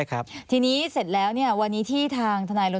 กองปราบสืบสวนได้อย่างเดียวไม่มีอำนาจสอบ